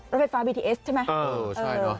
รถไฟฟ้าบีทีเอสใช่ไหมเอ่อใช่เนอะ